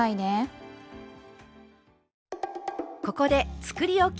ここでつくりおき